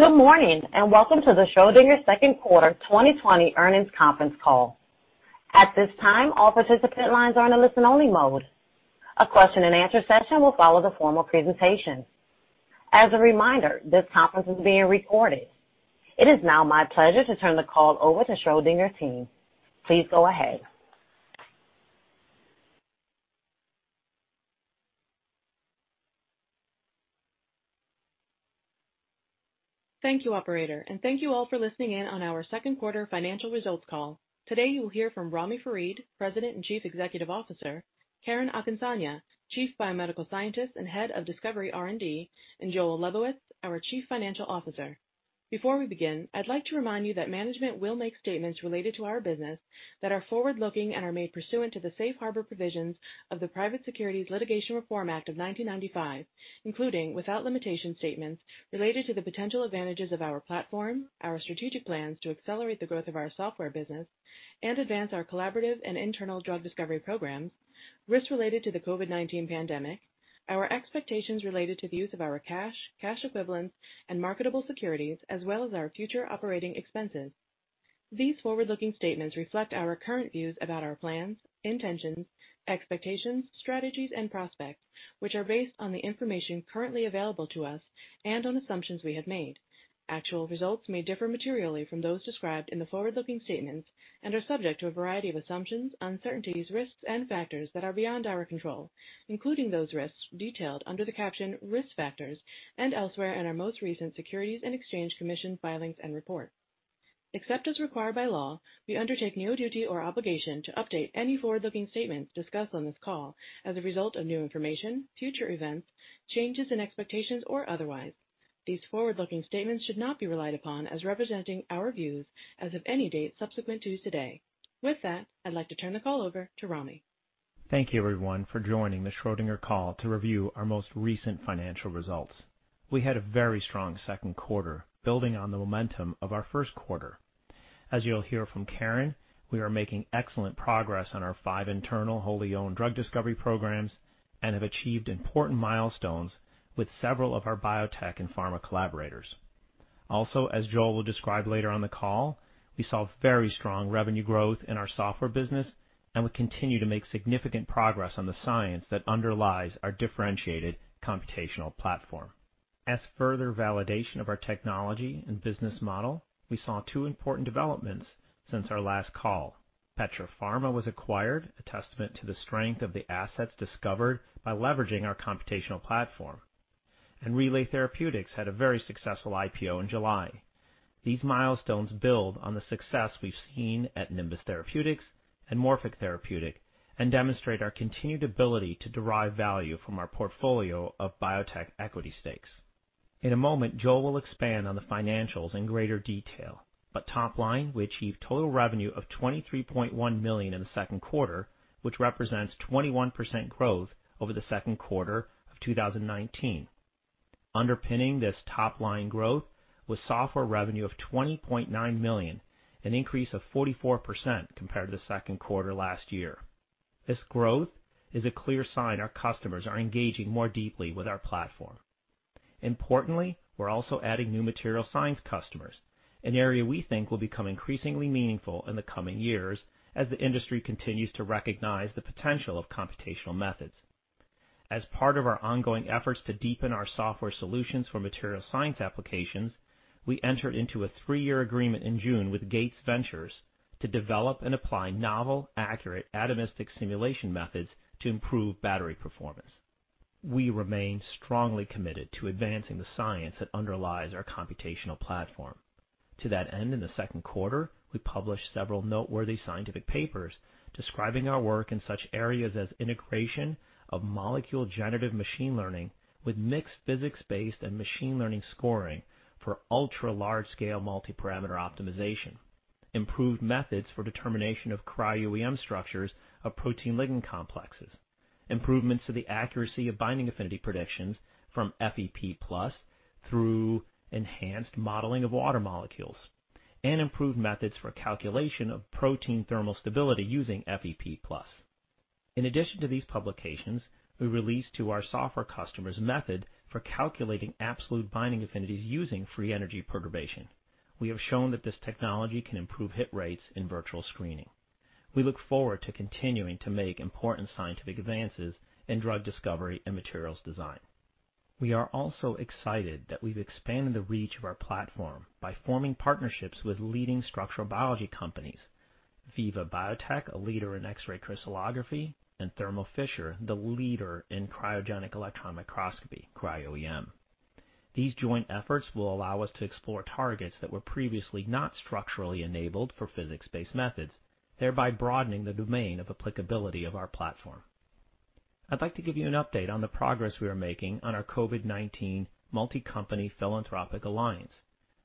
Good morning, and welcome to the Schrödinger second quarter 2020 earnings conference call. At this time, all participant lines are in a listen-only mode. A question and answer session will follow the formal presentation. As a reminder, this conference is being recorded. It is now my pleasure to turn the call over to Schrödinger team. Please go ahead. Thank you, operator, and thank you all for listening in on our second quarter financial results call. Today, you'll hear from Ramy Farid, President and Chief Executive Officer, Karen Akinsanya, Chief Biomedical Scientist and Head of Discovery R&D, and Joel Lebowitz, our Chief Financial Officer. Before we begin, I'd like to remind you that management will make statements related to our business that are forward-looking and are made pursuant to the Safe Harbor provisions of the Private Securities Litigation Reform Act of 1995, including, without limitation, statements related to the potential advantages of our platform, our strategic plans to accelerate the growth of our software business and advance our collaborative and internal drug discovery programs, risks related to the COVID-19 pandemic, our expectations related to the use of our cash equivalents, and marketable securities, as well as our future operating expenses. These forward-looking statements reflect our current views about our plans, intentions, expectations, strategies, and prospects, which are based on the information currently available to us and on assumptions we have made. Actual results may differ materially from those described in the forward-looking statements and are subject to a variety of assumptions, uncertainties, risks, and factors that are beyond our control, including those risks detailed under the caption Risk Factors and elsewhere in our most recent Securities and Exchange Commission filings and reports. Except as required by law, we undertake no duty or obligation to update any forward-looking statements discussed on this call as a result of new information, future events, changes in expectations, or otherwise. These forward-looking statements should not be relied upon as representing our views as of any date subsequent to today. With that, I'd like to turn the call over to Ramy. Thank you, everyone, for joining the Schrödinger call to review our most recent financial results. We had a very strong second quarter, building on the momentum of our first quarter. As you'll hear from Karen, we are making excellent progress on our five internal wholly owned drug discovery programs and have achieved important milestones with several of our biotech and pharma collaborators. Also, as Joel will describe later on the call, we saw very strong revenue growth in our software business, and we continue to make significant progress on the science that underlies our differentiated computational platform. As further validation of our technology and business model, we saw two important developments since our last call. Petra Pharma was acquired, a testament to the strength of the assets discovered by leveraging our computational platform. Relay Therapeutics had a very successful IPO in July. These milestones build on the success we've seen at Nimbus Therapeutics and Morphic Therapeutic and demonstrate our continued ability to derive value from our portfolio of biotech equity stakes. In a moment, Joel will expand on the financials in greater detail, but top line, we achieved total revenue of $23.1 million in the second quarter, which represents 21% growth over the second quarter of 2019. Underpinning this top-line growth was software revenue of $20.9 million, an increase of 44% compared to the second quarter last year. This growth is a clear sign our customers are engaging more deeply with our platform. Importantly, we're also adding new material science customers, an area we think will become increasingly meaningful in the coming years as the industry continues to recognize the potential of computational methods. As part of our ongoing efforts to deepen our software solutions for material science applications, we entered into a three-year agreement in June with Gates Ventures to develop and apply novel, accurate atomistic simulation methods to improve battery performance. We remain strongly committed to advancing the science that underlies our computational platform. To that end, in the second quarter, we published several noteworthy scientific papers describing our work in such areas as integration of molecule generative machine learning with mixed physics-based and machine learning scoring for ultra-large-scale multi-parameter optimization, improved methods for determination of Cryo-EM structures of protein ligand complexes, improvements to the accuracy of binding affinity predictions from FEP+ through enhanced modeling of water molecules, and improved methods for calculation of protein thermal stability using FEP+. In addition to these publications, we released to our software customers a method for calculating absolute binding affinities using free energy perturbation. We have shown that this technology can improve hit rates in virtual screening. We look forward to continuing to make important scientific advances in drug discovery and materials design. We are also excited that we've expanded the reach of our platform by forming partnerships with leading structural biology companies, Viva Biotech, a leader in X-ray crystallography, and Thermo Fisher, the leader in cryogenic electron microscopy, Cryo-EM. These joint efforts will allow us to explore targets that were previously not structurally enabled for physics-based methods, thereby broadening the domain of applicability of our platform. I'd like to give you an update on the progress we are making on our COVID-19 multi-company philanthropic alliance,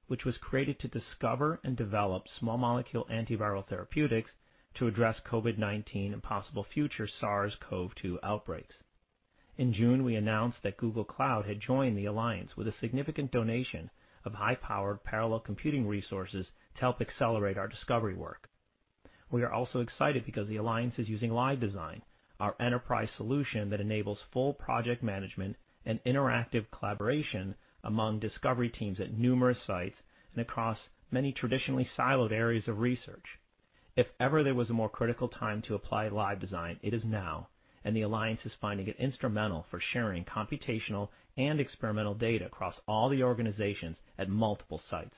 which was created to discover and develop small molecule antiviral therapeutics to address COVID-19 and possible future SARS-CoV-2 outbreaks. In June, we announced that Google Cloud had joined the alliance with a significant donation of high-powered parallel computing resources to help accelerate our discovery work. We are also excited because the alliance is using LiveDesign, our enterprise solution that enables full project management and interactive collaboration among discovery teams at numerous sites and across many traditionally siloed areas of research. If ever there was a more critical time to apply LiveDesign, it is now, and the alliance is finding it instrumental for sharing computational and experimental data across all the organizations at multiple sites.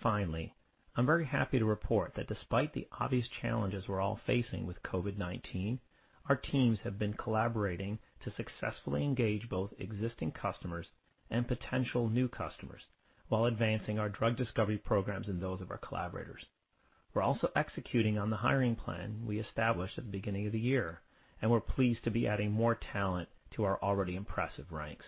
Finally, I'm very happy to report that despite the obvious challenges we're all facing with COVID-19, our teams have been collaborating to successfully engage both existing customers and potential new customers while advancing our drug discovery programs and those of our collaborators. We're also executing on the hiring plan we established at the beginning of the year, and we're pleased to be adding more talent to our already impressive ranks.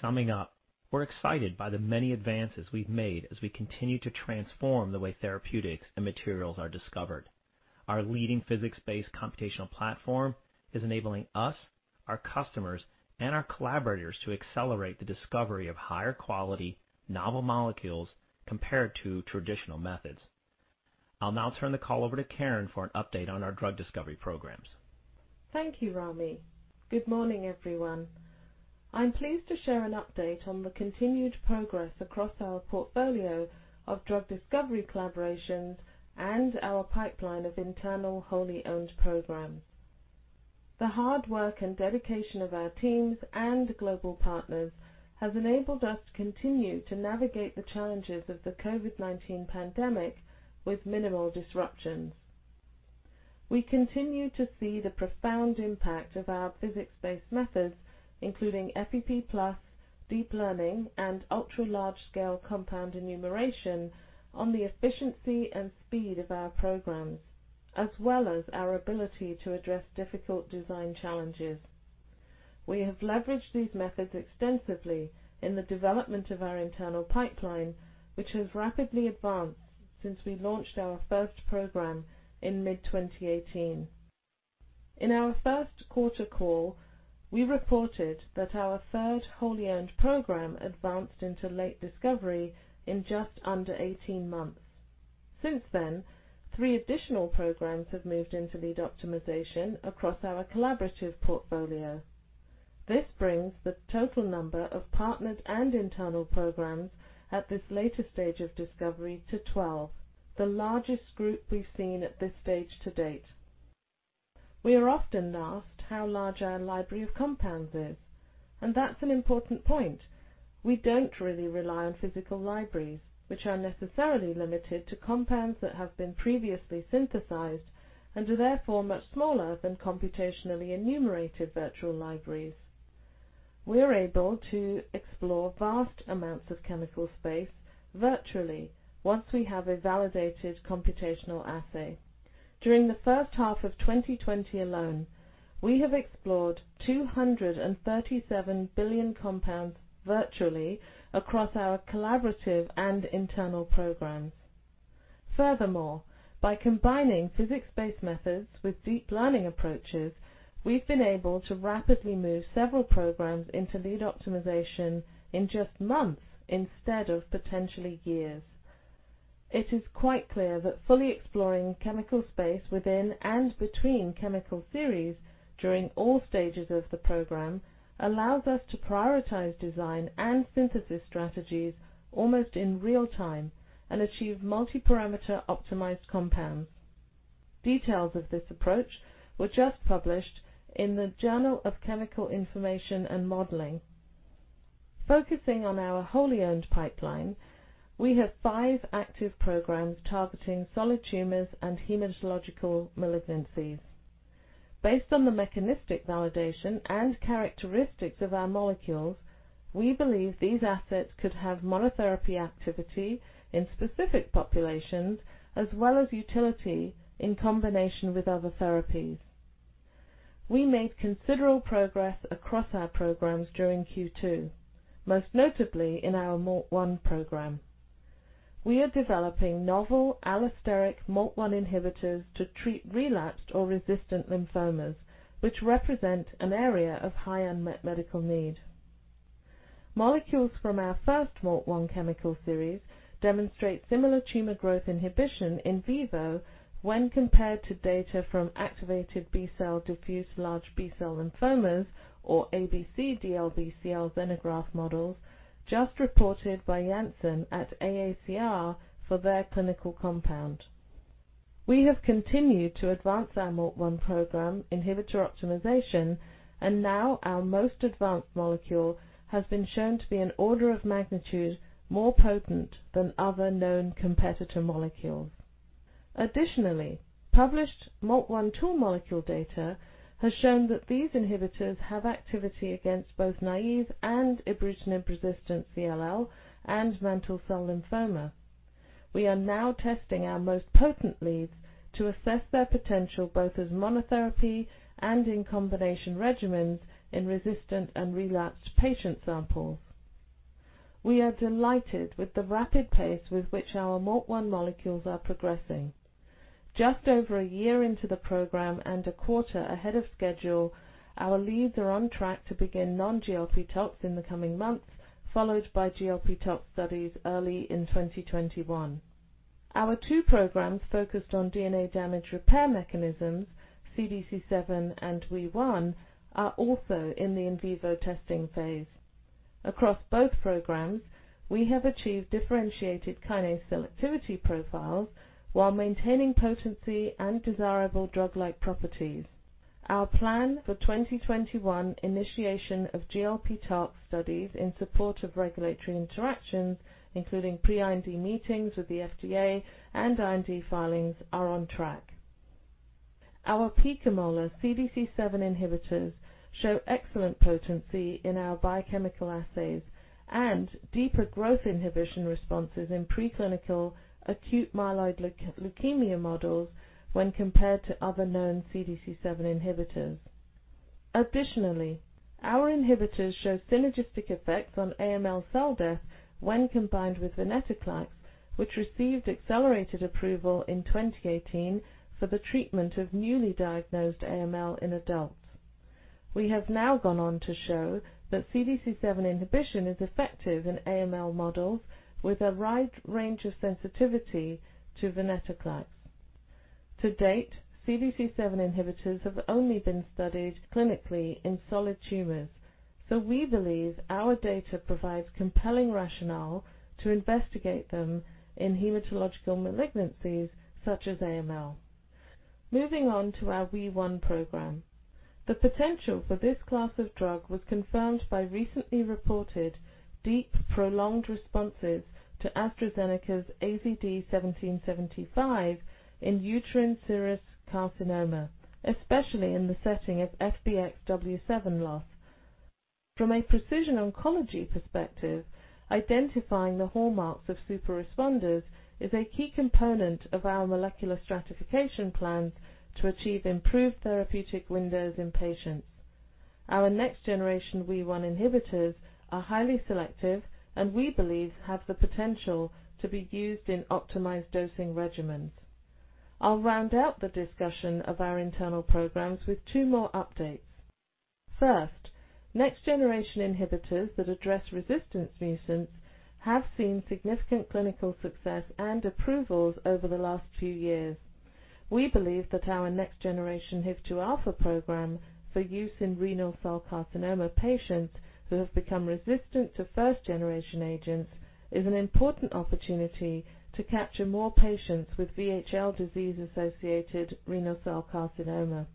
Summing up, we're excited by the many advances we've made as we continue to transform the way therapeutics and materials are discovered. Our leading physics-based computational platform is enabling us, our customers, and our collaborators to accelerate the discovery of higher-quality novel molecules compared to traditional methods. I'll now turn the call over to Karen for an update on our drug discovery programs. Thank you, Ramy. Good morning, everyone. I'm pleased to share an update on the continued progress across our portfolio of drug discovery collaborations and our pipeline of internal wholly-owned programs. The hard work and dedication of our teams and global partners has enabled us to continue to navigate the challenges of the COVID-19 pandemic with minimal disruptions. We continue to see the profound impact of our physics-based methods, including FEP+, deep learning, and ultra-large-scale compound enumeration on the efficiency and speed of our programs, as well as our ability to address difficult design challenges. We have leveraged these methods extensively in the development of our internal pipeline, which has rapidly advanced since we launched our first program in mid-2018. In our first quarter call, we reported that our third wholly-owned program advanced into late discovery in just under 18 months. Since then, three additional programs have moved into lead optimization across our collaborative portfolio. This brings the total number of partnered and internal programs at this later stage of discovery to 12, the largest group we've seen at this stage to date. We are often asked how large our library of compounds is, and that's an important point. We don't really rely on physical libraries, which are necessarily limited to compounds that have been previously synthesized and are therefore much smaller than computationally enumerated virtual libraries. We are able to explore vast amounts of chemical space virtually once we have a validated computational assay. During the first half of 2020 alone, we have explored 237 billion compounds virtually across our collaborative and internal programs. Furthermore, by combining physics-based methods with deep learning approaches, we've been able to rapidly move several programs into lead optimization in just months instead of potentially years. It is quite clear that fully exploring chemical space within and between chemical series during all stages of the program allows us to prioritize design and synthesis strategies almost in real-time and achieve multi-parameter optimized compounds. Details of this approach were just published in the Journal of Chemical Information and Modeling. Focusing on our wholly-owned pipeline, we have five active programs targeting solid tumors and hematological malignancies. Based on the mechanistic validation and characteristics of our molecules, we believe these assets could have monotherapy activity in specific populations, as well as utility in combination with other therapies. We made considerable progress across our programs during Q2, most notably in our MALT 1 program. We are developing novel allosteric MYCN inhibitors to treat relapsed or resistant lymphomas, which represent an area of high unmet medical need. Molecules from our first MALT 1 chemical series demonstrate similar tumor growth inhibition in vivo when compared to data from activated B-cell diffuse large B-cell lymphomas or ABC-DLBCL xenograft models just reported by Janssen at AACR for their clinical compound. We have continued to advance our MALT 1 program inhibitor optimization. Now our most advanced molecule has been shown to be an order of magnitude more potent than other known competitor molecules. Additionally, published MALT 1 tool molecule data has shown that these inhibitors have activity against both naive and ibrutinib-resistant CLL and mantle cell lymphoma. We are now testing our most potent leads to assess their potential, both as monotherapy and in combination regimens in resistant and relapsed patient samples. We are delighted with the rapid pace with which our MALT 1 molecules are progressing. Just over a year into the program and a quarter ahead of schedule, our leads are on track to begin non-GLP tox in the coming months, followed by GLP tox studies early in 2021. Our two programs focused on DNA damage repair mechanisms, CDC7 and WEE1, are also in the in vivo testing phase. Across both programs, we have achieved differentiated kinase selectivity profiles while maintaining potency and desirable drug-like properties. Our plan for 2021 initiation of GLP toxicology studies in support of regulatory interactions, including pre-IND meetings with the FDA and IND filings, are on track. Our picomolar CDC7 inhibitors show excellent potency in our biochemical assays and deeper growth inhibition responses in preclinical acute myeloid leukemia models when compared to other known CDC7 inhibitors. Additionally, our inhibitors show synergistic effects on AML cell death when combined with venetoclax, which received accelerated approval in 2018 for the treatment of newly diagnosed AML in adults. We have now gone on to show that CDC7 inhibition is effective in AML models with a wide range of sensitivity to venetoclax. To date, CDC7 inhibitors have only been studied clinically in solid tumors. We believe our data provides compelling rationale to investigate them in hematological malignancies such as AML. Moving on to our WEE1 program. The potential for this class of drug was confirmed by recently reported deep, prolonged responses to AstraZeneca's AZD1775 in uterine serous carcinoma, especially in the setting of FBXW7 loss. From a precision oncology perspective, identifying the hallmarks of super responders is a key component of our molecular stratification plans to achieve improved therapeutic windows in patients. Our next generation WEE1 inhibitors are highly selective and we believe have the potential to be used in optimized dosing regimens. I'll round out the discussion of our internal programs with two more updates. First, next generation inhibitors that address resistance mutants have seen significant clinical success and approvals over the last few years. We believe that our next generation HIF-2α program for use in renal cell carcinoma patients who have become resistant to first-generation agents, is an important opportunity to capture more patients with VHL disease-associated renal cell carcinoma.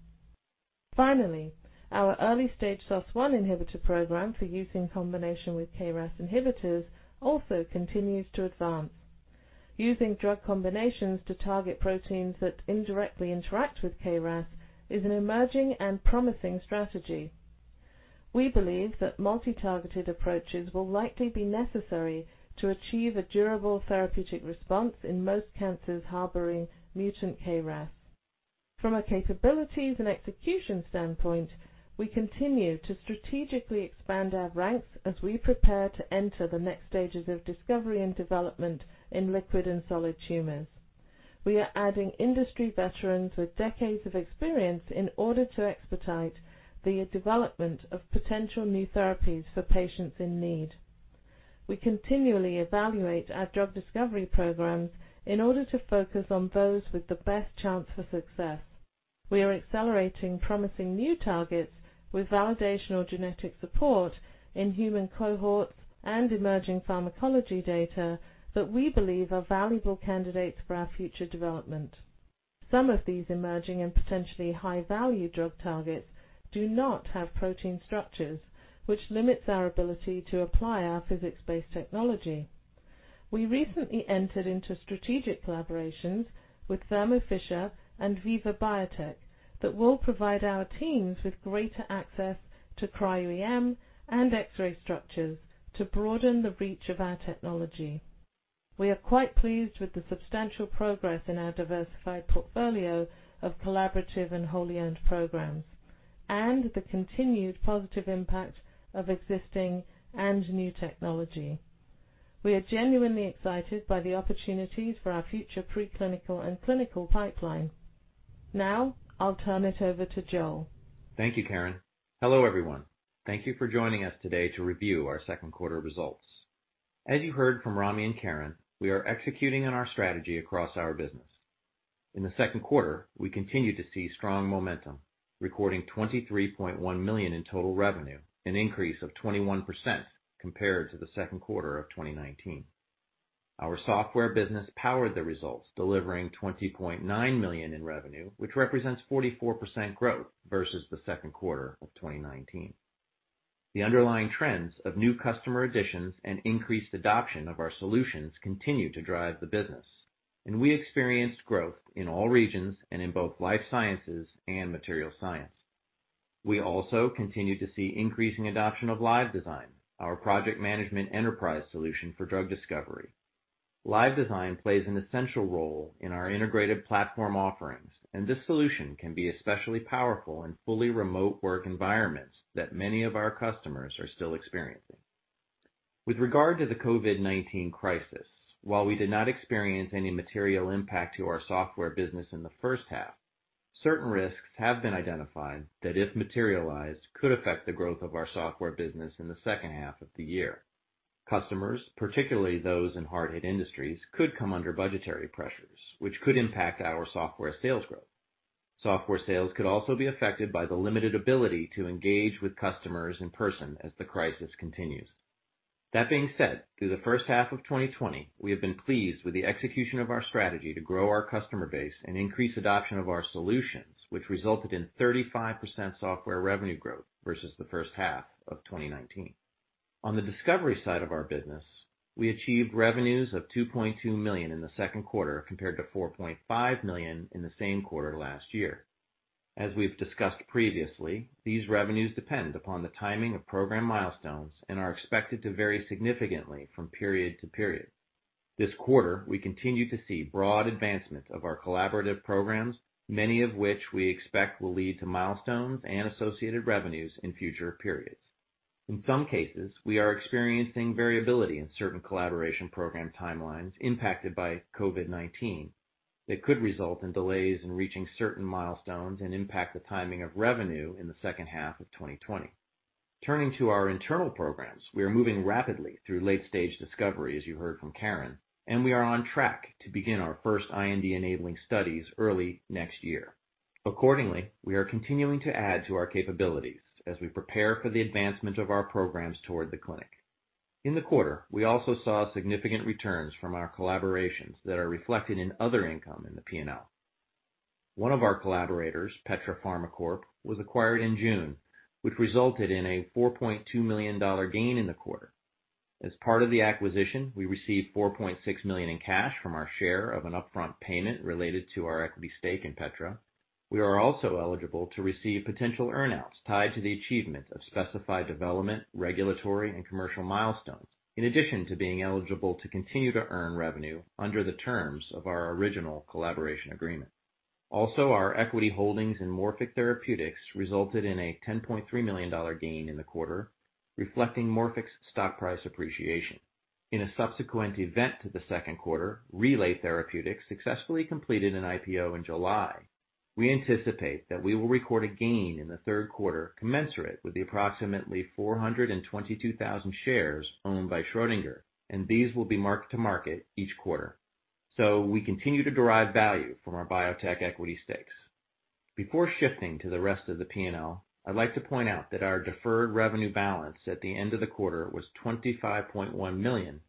Finally, our early-stage SOS1 inhibitor program for use in combination with KRAS inhibitors also continues to advance. Using drug combinations to target proteins that indirectly interact with KRAS is an emerging and promising strategy. We believe that multi-targeted approaches will likely be necessary to achieve a durable therapeutic response in most cancers harboring mutant KRAS. From a capabilities and execution standpoint, we continue to strategically expand our ranks as we prepare to enter the next stages of discovery and development in liquid and solid tumors. We are adding industry veterans with decades of experience in order to expedite the development of potential new therapies for patients in need. We continually evaluate our drug discovery programs in order to focus on those with the best chance for success. We are accelerating promising new targets with validational genetic support in human cohorts and emerging pharmacology data that we believe are valuable candidates for our future development. Some of these emerging and potentially high-value drug targets do not have protein structures, which limits our ability to apply our physics-based technology. We recently entered into strategic collaborations with Thermo Fisher and Viva Biotech that will provide our teams with greater access to Cryo-EM and X-ray structures to broaden the reach of our technology. We are quite pleased with the substantial progress in our diversified portfolio of collaborative and wholly-owned programs, and the continued positive impact of existing and new technology. We are genuinely excited by the opportunities for our future preclinical and clinical pipeline. Now, I'll turn it over to Joel. Thank you, Karen. Hello, everyone. Thank you for joining us today to review our second quarter results. As you heard from Ramy and Karen, we are executing on our strategy across our business. In the second quarter, we continued to see strong momentum, recording $23.1 million in total revenue, an increase of 21% compared to the second quarter of 2019. Our software business powered the results, delivering $20.9 million in revenue, which represents 44% growth versus the second quarter of 2019. The underlying trends of new customer additions and increased adoption of our solutions continue to drive the business, and we experienced growth in all regions and in both life sciences and material science. We also continued to see increasing adoption of LiveDesign, our project management enterprise solution for drug discovery. LiveDesign plays an essential role in our integrated platform offerings. This solution can be especially powerful in fully remote work environments that many of our customers are still experiencing. With regard to the COVID-19 crisis, while we did not experience any material impact to our software business in the first half. Certain risks have been identified that, if materialized, could affect the growth of our software business in the second half of the year. Customers, particularly those in hard-hit industries, could come under budgetary pressures, which could impact our software sales growth. Software sales could also be affected by the limited ability to engage with customers in person as the crisis continues. That being said, through the first half of 2020, we have been pleased with the execution of our strategy to grow our customer base and increase adoption of our solutions, which resulted in 35% software revenue growth versus the first half of 2019. On the discovery side of our business, we achieved revenues of $2.2 million in the second quarter, compared to $4.5 million in the same quarter last year. As we've discussed previously, these revenues depend upon the timing of program milestones and are expected to vary significantly from period to period. This quarter, we continue to see broad advancement of our collaborative programs, many of which we expect will lead to milestones and associated revenues in future periods. In some cases, we are experiencing variability in certain collaboration program timelines impacted by COVID-19 that could result in delays in reaching certain milestones and impact the timing of revenue in the second half of 2020. Turning to our internal programs, we are moving rapidly through late-stage discovery, as you heard from Karen, and we are on track to begin our first IND-enabling studies early next year. Accordingly, we are continuing to add to our capabilities as we prepare for the advancement of our programs toward the clinic. In the quarter, we also saw significant returns from our collaborations that are reflected in other income in the P&L. One of our collaborators, Petra Pharma Corp, was acquired in June, which resulted in a $4.2 million gain in the quarter. As part of the acquisition, we received $4.6 million in cash from our share of an upfront payment related to our equity stake in Petra. We are also eligible to receive potential earn-outs tied to the achievement of specified development, regulatory, and commercial milestones, in addition to being eligible to continue to earn revenue under the terms of our original collaboration agreement. Also, our equity holdings in Morphic Therapeutics resulted in a $10.3 million gain in the quarter, reflecting Morphic's stock price appreciation. In a subsequent event to the second quarter, Relay Therapeutics successfully completed an IPO in July. We anticipate that we will record a gain in the third quarter commensurate with the approximately 422,000 shares owned by Schrödinger, and these will be marked to market each quarter. We continue to derive value from our biotech equity stakes. Before shifting to the rest of the P&L, I'd like to point out that our deferred revenue balance at the end of the quarter was $25.1 million,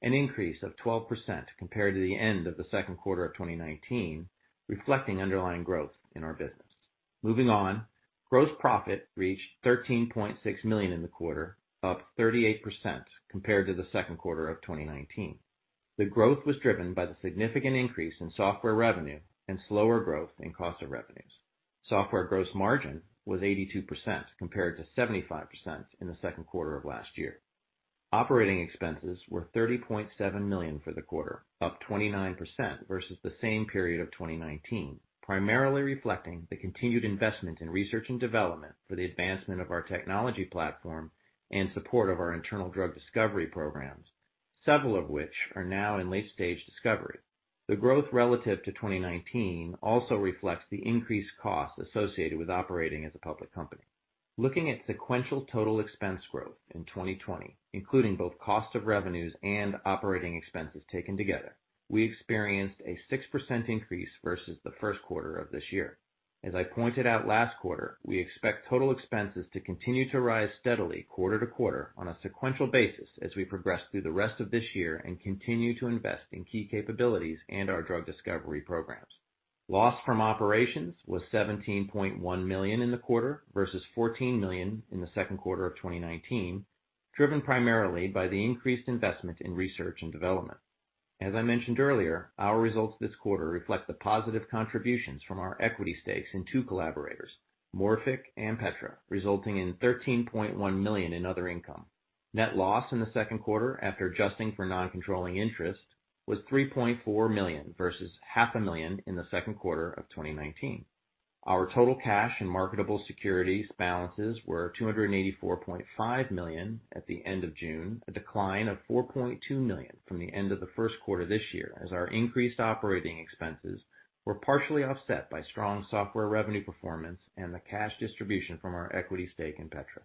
an increase of 12% compared to the end of the second quarter of 2019, reflecting underlying growth in our business. Moving on, gross profit reached $13.6 million in the quarter, up 38% compared to the second quarter of 2019. The growth was driven by the significant increase in software revenue and slower growth in cost of revenues. Software gross margin was 82%, compared to 75% in the second quarter of last year. Operating expenses were $30.7 million for the quarter, up 29% versus the same period of 2019, primarily reflecting the continued investment in research and development for the advancement of our technology platform and support of our internal drug discovery programs, several of which are now in late-stage discovery. The growth relative to 2019 also reflects the increased costs associated with operating as a public company. Looking at sequential total expense growth in 2020, including both cost of revenues and operating expenses taken together, we experienced a 6% increase versus the first quarter of this year. As I pointed out last quarter, we expect total expenses to continue to rise steadily quarter-to-quarter on a sequential basis as we progress through the rest of this year and continue to invest in key capabilities and our drug discovery programs. Loss from operations was $17.1 million in the quarter versus $14 million in the second quarter of 2019, driven primarily by the increased investment in research and development. As I mentioned earlier, our results this quarter reflect the positive contributions from our equity stakes in two collaborators, Morphic and Petra, resulting in $13.1 million in other income. Net loss in the second quarter after adjusting for non-controlling interest was $3.4 million versus half a million in the second quarter of 2019. Our total cash and marketable securities balances were $284.5 million at the end of June, a decline of $4.2 million from the end of the first quarter this year, as our increased operating expenses were partially offset by strong software revenue performance and the cash distribution from our equity stake in Petra.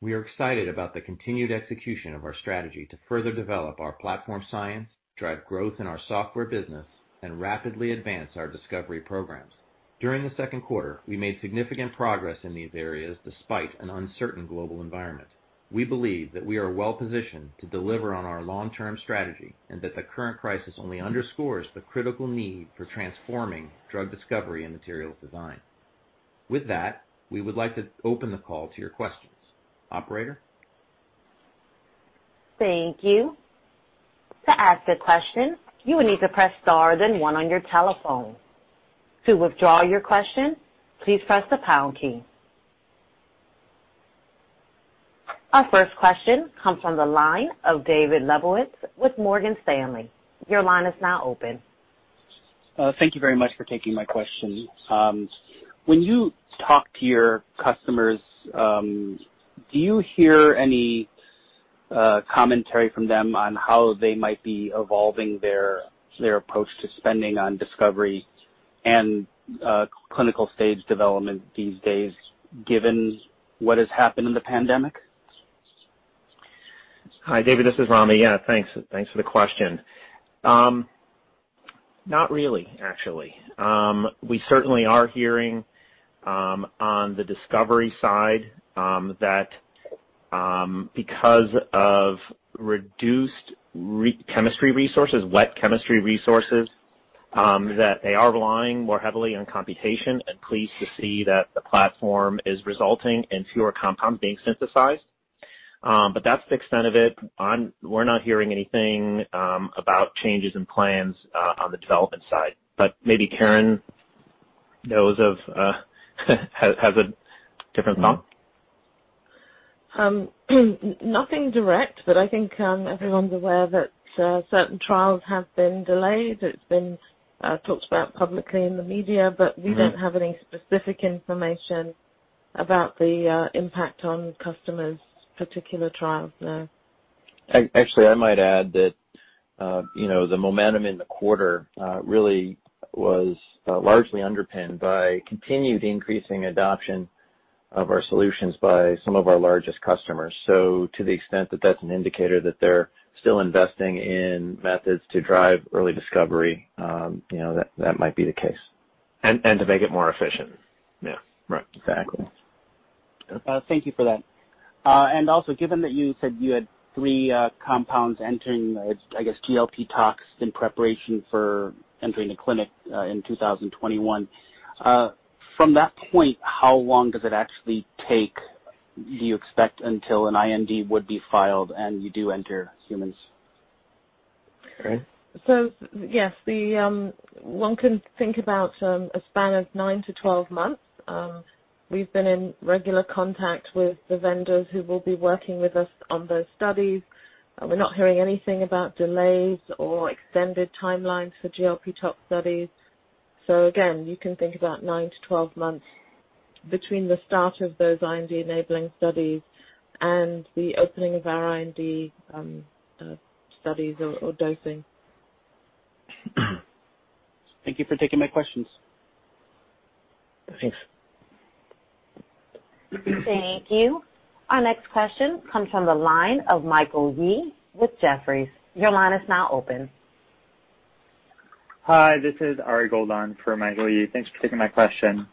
We are excited about the continued execution of our strategy to further develop our platform science, drive growth in our software business, and rapidly advance our discovery programs. During the second quarter, we made significant progress in these areas despite an uncertain global environment. We believe that we are well positioned to deliver on our long-term strategy and that the current crisis only underscores the critical need for transforming drug discovery and materials design. With that, we would like to open the call to your questions. Operator? Thank you. To ask a question, you need to press star then one on your telephone. To, withdraw your question, please press the pound key. Our first question comes from the line of David Lebowitz with Morgan Stanley. Your line is now open. Thank you very much for taking my question. When you talk to your customers, do you hear any commentary from them on how they might be evolving their approach to spending on discovery and clinical stage development these days, given what has happened in the pandemic. Hi, David, this is Ramy. Yeah, thanks for the question. Not really, actually. We certainly are hearing on the discovery side that because of reduced wet chemistry resources, that they are relying more heavily on computation and pleased to see that the platform is resulting in fewer compounds being synthesized. That's the extent of it. We're not hearing anything about changes in plans on the development side. Maybe Karen knows of has a different thought. Nothing direct, but I think everyone's aware that certain trials have been delayed. It's been talked about publicly in the media, but we don't have any specific information about the impact on customers particular trials, no. Actually, I might add that the momentum in the quarter really was largely underpinned by continued increasing adoption of our solutions by some of our largest customers. To the extent that that's an indicator that they're still investing in methods to drive early discovery, that might be the case. To make it more efficient. Yeah. Right. Exactly. Thank you for that. Also, given that you said you had three compounds entering, I guess, GLP toxicology in preparation for entering the clinic in 2021. From that point, how long does it actually take, do you expect, until an IND would be filed and you do enter humans? Karen? Yes, one can think about a span of 9-12 months. We've been in regular contact with the vendors who will be working with us on those studies. We're not hearing anything about delays or extended timelines for GLP toxicology studies. Again, you can think about 9-12 months between the start of those IND-enabling studies and the opening of our IND studies or dosing. Thank you for taking my questions. Thanks. Thank you. Our next question comes from the line of Michael Yee with Jefferies. Your line is now open. Hi, this is Ari Gold on for Michael Yee. Thanks for taking my question.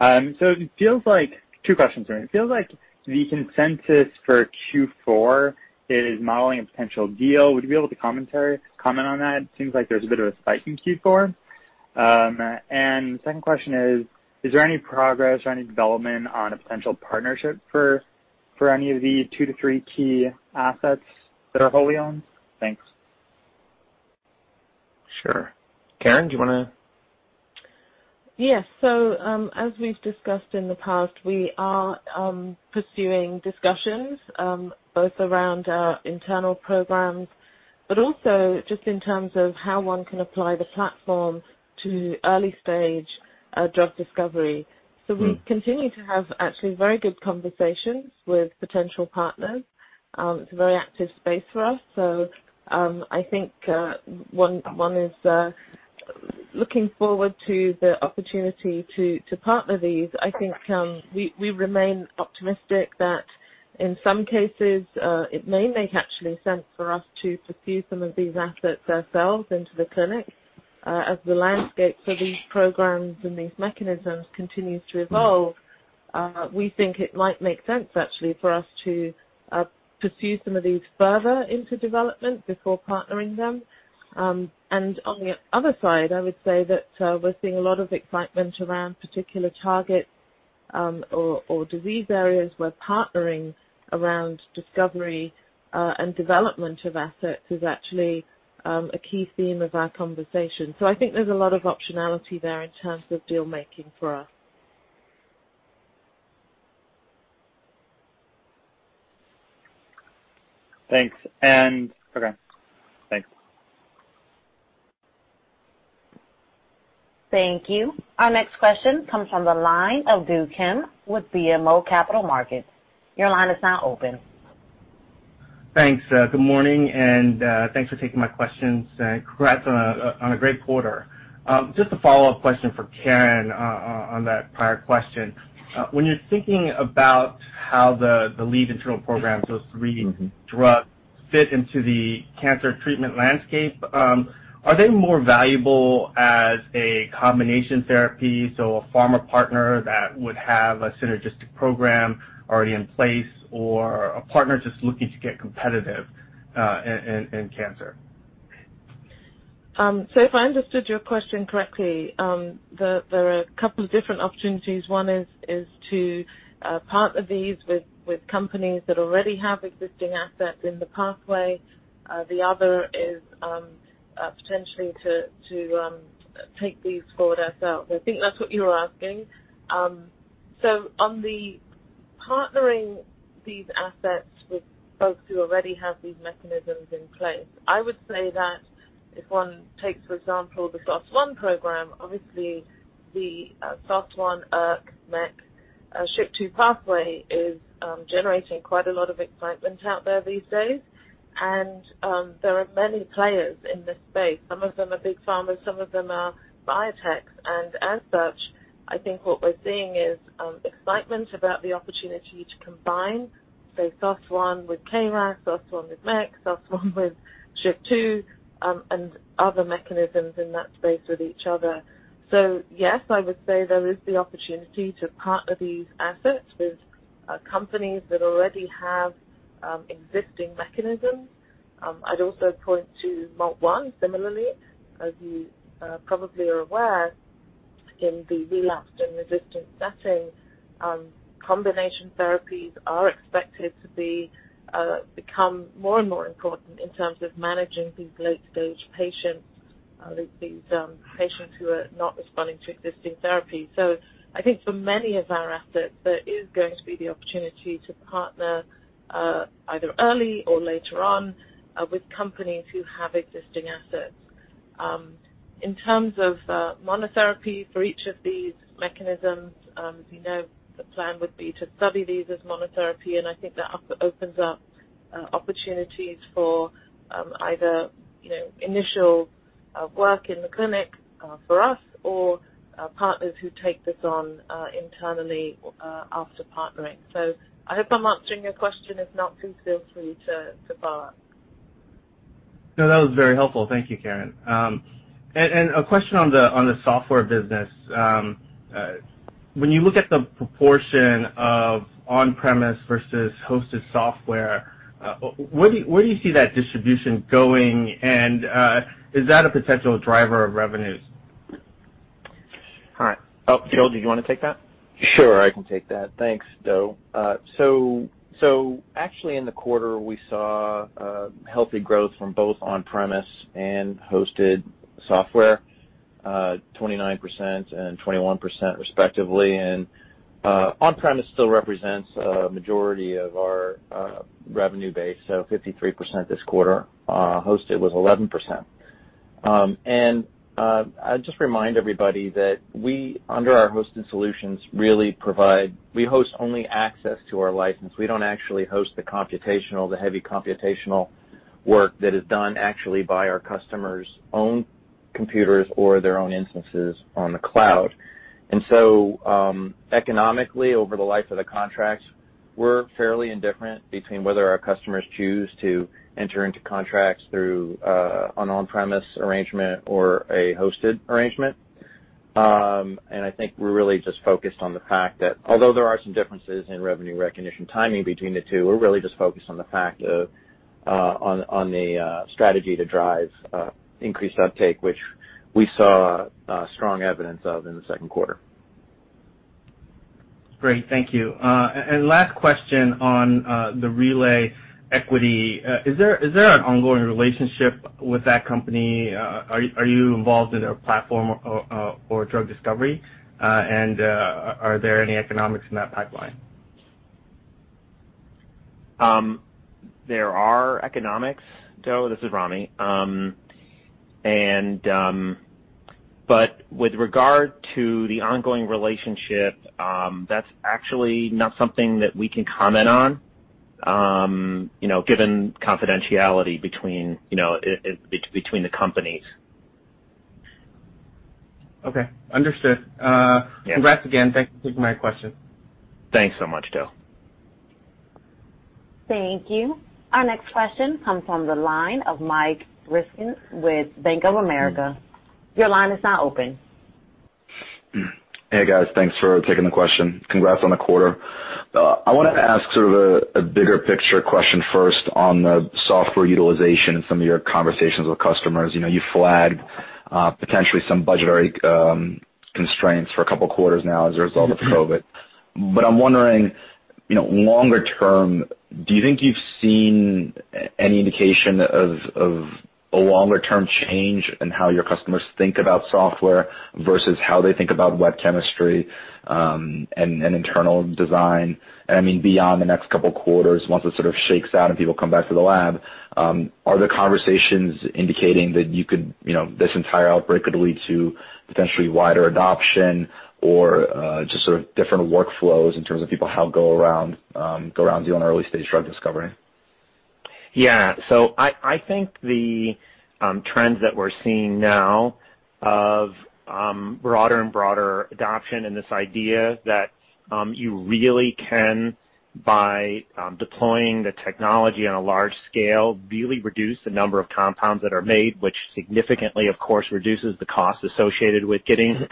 Two questions for you. It feels like the consensus for Q4 is modeling a potential deal. Would you be able to comment on that? It seems like there's a bit of a spike in Q4. The second question is there any progress or any development on a potential partnership for any of the two to three key assets that are wholly owned? Thanks. Sure. Karen, do you want to? Yes. As we've discussed in the past, we are pursuing discussions, both around our internal programs, but also just in terms of how one can apply the platforms to early-stage drug discovery. We continue to have actually very good conversations with potential partners. It's a very active space for us. I think one is looking forward to the opportunity to partner these. I think we remain optimistic that in some cases, it may make actually sense for us to pursue some of these assets ourselves into the clinic. As the landscape for these programs and these mechanisms continues to evolve, we think it might make sense actually for us to pursue some of these further into development before partnering them. On the other side, I would say that we're seeing a lot of excitement around particular targets, or disease areas where partnering around discovery and development of assets is actually a key theme of our conversation. I think there's a lot of optionality there in terms of deal-making for us. Thanks. Okay, thanks. Thank you. Our next question comes from the line of Do Kim with BMO Capital Markets. Your line is now open. Thanks. Good morning, thanks for taking my questions, congrats on a great quarter. Just a follow-up question for Karen on that prior question. When you're thinking about how the lead internal programs, those three drugs, fit into the cancer treatment landscape, are they more valuable as a combination therapy, so a pharma partner that would have a synergistic program already in place or a partner just looking to get competitive in cancer? If I understood your question correctly, there are a couple of different opportunities. One is to partner these with companies that already have existing assets in the pathway. The other is potentially to take these forward ourselves. I think that's what you're asking. On the partnering these assets with folks who already have these mechanisms in place, I would say that if one takes, for example, the SOS1 program, obviously. The SOS1, ERK, MEK, SHP2 pathway is generating quite a lot of excitement out there these days. There are many players in this space. Some of them are big pharmas, some of them are biotechs. As such, I think what we're seeing is excitement about the opportunity to combine, say, SOS1 with KRAS, SOS1 with MEK, SOS1 with SHP2 and other mechanisms in that space with each other. Yes, I would say there is the opportunity to partner these assets with companies that already have existing mechanisms. I'd also point to MALT1, similarly. As you probably are aware, in the relapsed and resistant setting, combination therapies are expected to become more and more important in terms of managing these late-stage patients, these patients who are not responding to existing therapies. I think for many of our assets, there is going to be the opportunity to partner, either early or later on, with companies who have existing assets. In terms of monotherapy for each of these mechanisms, as you know, the plan would be to study these as monotherapy, and I think that opens up opportunities for either initial work in the clinic for us or partners who take this on internally after partnering. I hope I'm answering your question. If not, please feel free to follow up. No, that was very helpful. Thank you, Karen. A question on the software business. When you look at the proportion of on-premise versus hosted software, where do you see that distribution going? Is that a potential driver of revenues? All right. Oh, Joel, did you want to take that? Sure, I can take that. Thanks, Do. Actually, in the quarter, we saw healthy growth from both on-premise and hosted software, 29% and 21% respectively. On-premise still represents a majority of our revenue base, 53% this quarter. Hosted was 11%. I'd just remind everybody that we, under our hosted solutions, we host only access to our license. We don't actually host the heavy computational work that is done actually by our customers' own computers or their own instances on the cloud. Economically, over the life of the contracts, we're fairly indifferent between whether our customers choose to enter into contracts through an on-premise arrangement or a hosted arrangement. I think we're really just focused on the fact that although there are some differences in revenue recognition timing between the two, we're really just focused on the strategy to drive increased uptake, which we saw strong evidence of in the second quarter. Great, thank you. Last question on the Relay equity. Is there an ongoing relationship with that company? Are you involved in their platform or drug discovery? Are there any economics in that pipeline? There are economics, Do. This is Ramy. With regard to the ongoing relationship, that's actually not something that we can comment on, given confidentiality between the companies. Okay. Understood. Yeah. Congrats again. Thank you for taking my question. Thanks so much, Do. Thank you. Our next question comes from the line of Mike Ryskin with Bank of America. Your line is now open. Hey, guys. Thanks for taking the question. Congrats on the quarter. I want to ask sort of a bigger picture question first on the software utilization and some of your conversations with customers. You flagged potentially some budgetary constraints for a couple of quarters now as a result of COVID. I'm wondering, longer term, do you think you've seen any indication of a longer-term change in how your customers think about software versus how they think about wet chemistry and internal design? I mean, beyond the next couple of quarters, once it sort of shakes out and people come back to the lab, are the conversations indicating that this entire outbreak could lead to potentially wider adoption or just sort of different workflows in terms of people how go around dealing with early-stage drug discovery? Yeah. I think the trends that we're seeing now of broader and broader adoption and this idea that you really can, by deploying the technology on a large scale, really reduce the number of compounds that are made, which significantly, of course, reduces the cost associated with getting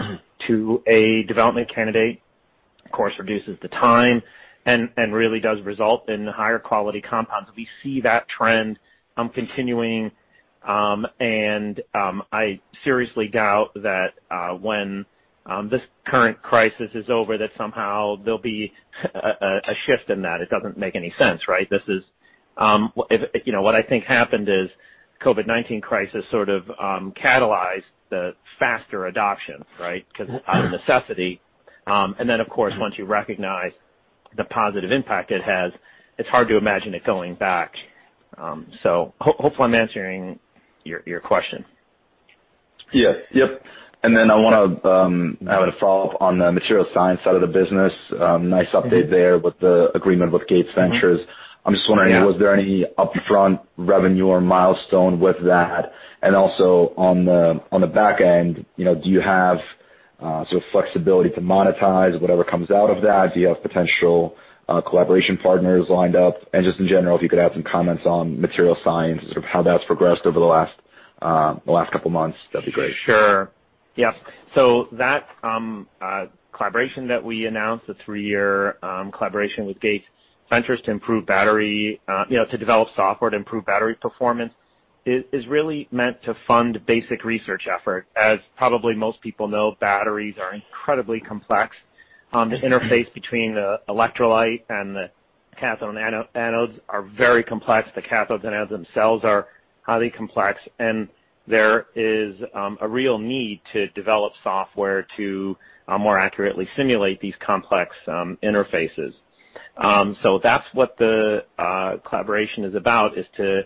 to a development candidate, of course, reduces the time and really does result in higher quality compounds. We see that trend continuing. I seriously doubt that when this current crisis is over, that somehow there'll be a shift in that. It doesn't make any sense, right. What I think happened is COVID-19 crisis sort of catalyzed the faster adoption, right. Because out of necessity, and then, of course, once you recognize the positive impact it has, it's hard to imagine it going back. Hopefully I'm answering your question. Yeah. I want to have a follow-up on the material science side of the business. Nice update there with the agreement with Gates Ventures. Yeah. I'm just wondering, was there any upfront revenue or milestone with that? Also on the back end, do you have sort of flexibility to monetize whatever comes out of that? Do you have potential collaboration partners lined up? Just in general, if you could have some comments on material science and sort of how that's progressed over the last couple of months, that'd be great. Sure. Yeah. That collaboration that we announced, the three-year collaboration with Gates Ventures to develop software to improve battery performance, is really meant to fund basic research effort. As probably most people know, batteries are incredibly complex. The interface between the electrolyte and the cathodes and anodes are very complex. The cathodes and anodes themselves are highly complex. There is a real need to develop software to more accurately simulate these complex interfaces. That's what the collaboration is about, is to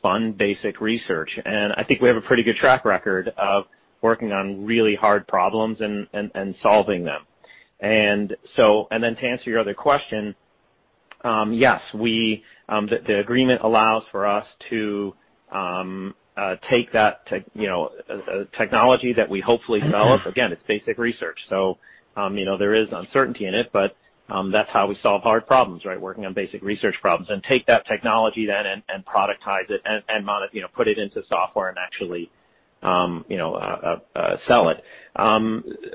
fund basic research. I think we have a pretty good track record of working on really hard problems and solving them. To answer your other question, yes, the agreement allows for us to take that technology that we hopefully develop. Again, it's basic research. There is uncertainty in it. That's how we solve hard problems, right. Working on basic research problems. Take that technology then and productize it, and put it into software and actually sell it.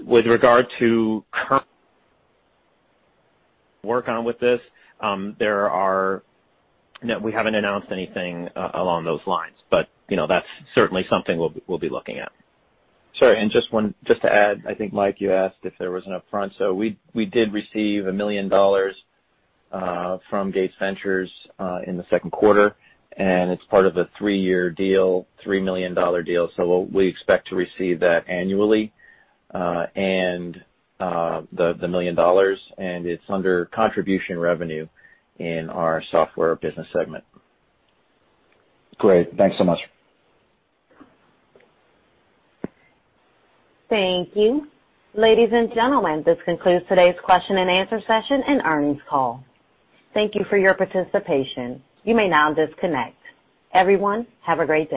With regard to current work on with this, we haven't announced anything along those lines, but that's certainly something we'll be looking at. Sorry, just to add, I think, Mike, you asked if there was an upfront. We did receive a million dollars from Gates Ventures in the second quarter, and it's part of a three-year deal, $3 million deal. We expect to receive that annually, and the million dollars, and it's under contribution revenue in our software business segment. Great. Thanks so much. Thank you. Ladies and gentlemen, this concludes today's question and answer session and earnings call. Thank you for your participation. You may now disconnect. Everyone, have a great day.